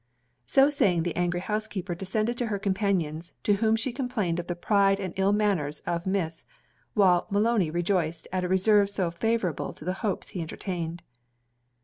So saying, the angry housekeeper descended to her companions, to whom she complained of the pride and ill manners of Miss; while Maloney rejoiced at a reserve so favourable to the hopes he entertained.